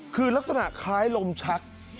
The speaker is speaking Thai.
คือลักษณะคล้ายลมชัก